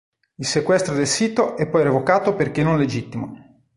Il sequestro del sito è poi revocato perché non legittimo.